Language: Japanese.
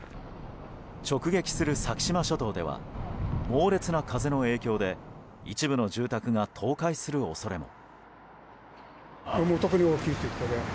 直撃する先島諸島では猛烈な風の影響で一部の住宅が倒壊する恐れも。